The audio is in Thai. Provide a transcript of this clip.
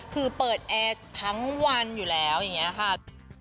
คือเปิดแอร์ทั้งวันอยู่แล้วอย่างนี้ค่ะ